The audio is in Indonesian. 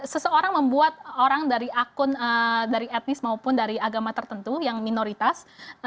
seseorang membuat orang dari akun dari etnis maupun dari agama tertentu yang minoritas